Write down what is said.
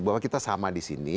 bahwa kita sama disini